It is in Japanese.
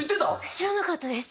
知らなかったです。